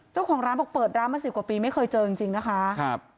เจ้าของร้านบอกเปิดร้านมาสิบกว่าปีไม่เคยเจอจริงจริงนะคะครับ